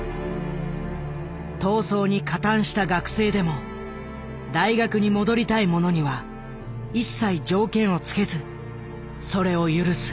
闘争に加担した学生でも大学に戻りたい者には一切条件をつけずそれを許す。